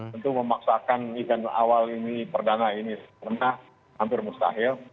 tentu memaksakan event awal ini perdana ini pernah hampir mustahil